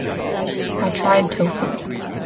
I tried tofu.